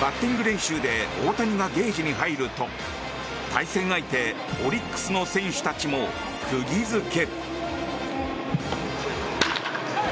バッティング練習で大谷がゲージに入ると対戦相手オリックスの選手たちも釘付け。